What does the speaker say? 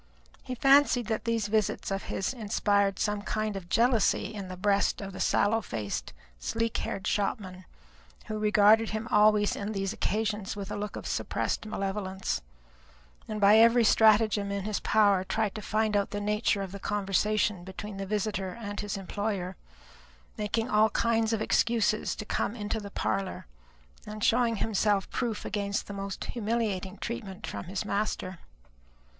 He fancied that these visits of his inspired some kind of jealousy in the breast of the sallow faced, sleek haired shopman; who regarded him always on these occasions with a look of suppressed malevolence, and by every stratagem in his power tried to find out the nature of the conversation between the visitor and his employer, making all kinds of excuses to come into the parlour, and showing himself proof against the most humiliating treatment from his master.